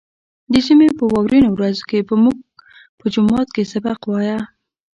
د ژمي په واورينو ورځو کې به موږ په جومات کې سبق وايه.